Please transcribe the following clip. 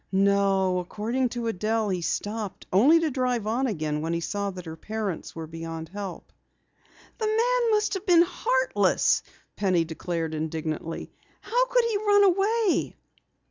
"No, according to Adelle he stopped, only to drive on again when he saw that her parents were beyond help." "The man must have been heartless!" Penny declared indignantly. "How could he run away?"